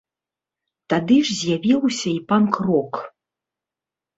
Тады ж з'явіўся і панк-рок.